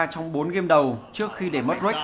trong bốn game đầu trước khi để mất rách